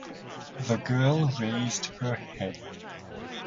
The girl raised her head.